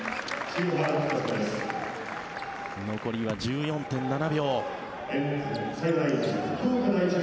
残りは１４分７秒。